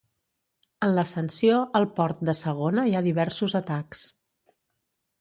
En l'ascensió al port de segona hi ha diversos atacs.